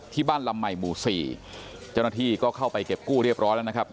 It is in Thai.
ที่บ้านลำใหม่หมู่สี่เจ้าหน้าที่ก็เข้าไปเก็บกู้เรียบร้อยแล้วนะครับ